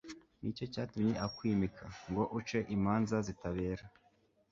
ni cyo cyatumye akwimika, ngo uce imanza zitabera